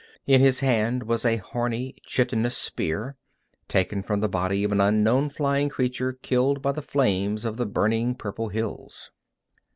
In his hand was a horny, chitinous spear, taken from the body of an unknown flying creature killed by the flames of the burning purple hills.